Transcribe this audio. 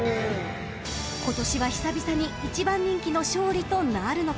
［今年は久々に１番人気の勝利となるのか］